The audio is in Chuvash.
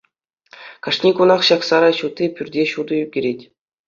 Кашни кунах ҫак сарай ҫути пӳрте ҫутӑ ӳкерет.